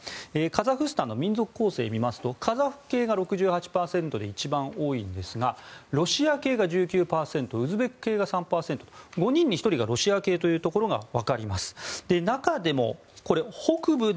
カザフスタンの民族構成を見ますとカザフ系が６８％で一番多いんですがロシア系が１９％ウズベク系が３％５人に１人がロシア系ということが分かります。